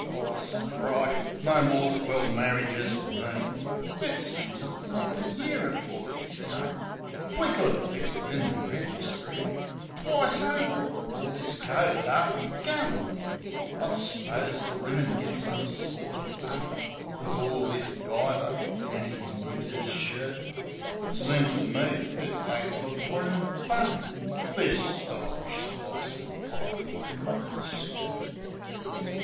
Ar, strike! No more swell marridges fer me! It seems a blinded year afore 'e's done. We could 'a' fixed it in the registree Twice over 'fore this cove 'ad 'arf begun. I s'pose the wimmin git some sorter fun Wiv all this guyver, an' 'is nibs's shirt.. But, seems to me, it takes the bloomin' bun, This stylish splicin' uv a bloke an' skirt.